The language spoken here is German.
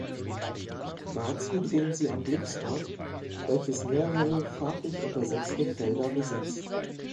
Dazu drehen sie am Glücksrad, welches mehrere farblich untersetzte Felder besitzt.